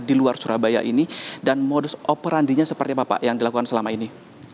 di luar surabaya ini dan modus operandinya seperti apa pak yang dilakukan selama ini